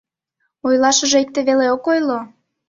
— Ойлашыже икте веле ок ойло.